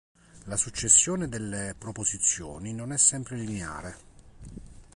La successione delle proposizioni non è sempre lineare.